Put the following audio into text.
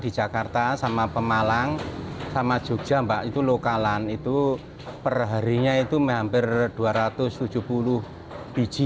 di jakarta sama pemalang sama jogja mbak itu lokalan itu perharinya itu hampir dua ratus tujuh puluh biji